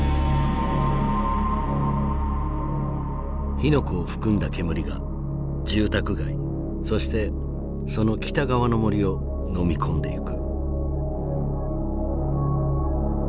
火の粉を含んだ煙が住宅街そしてその北側の森をのみ込んでいく。